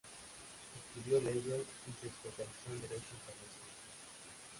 Estudió leyes y se especializó en derecho internacional.